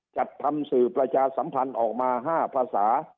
จัดทำสื่อประชาสัมพันธ์ออกมา๕ภาษา